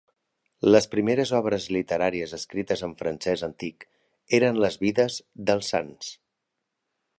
Les primeres obres literàries escrites en francès antic eren les vides dels sants.